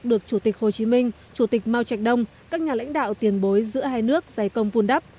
được chủ tịch hồ chí minh chủ tịch mao trạch đông các nhà lãnh đạo tiền bối giữa hai nước giải công vun đắp